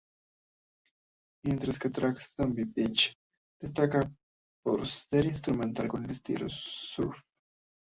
Mientras que el track "Zombie Beach" destaca por ser instrumental con un estilo surf.